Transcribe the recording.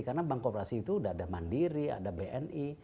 karena bank korporasi itu udah ada mandiri ada bni